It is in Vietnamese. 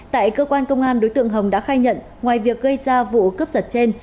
tại cơ quan công an đối tượng hồng đã khai nhận ngoài việc gây ra vụ cướp giật trên